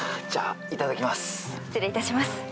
じゃあいただきます。